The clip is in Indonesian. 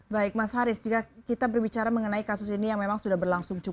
baik mas haris jika kita berbicara mengenai kasus ini yang memang sudah berlangsung